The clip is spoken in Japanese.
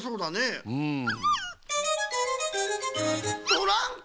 トランク！